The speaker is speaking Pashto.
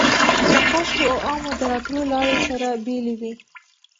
د خاصو او عامو د راتلو لارې سره بېلې وې.